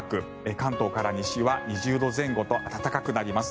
関東から西は２０度前後と暖かくなります。